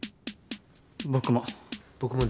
僕も。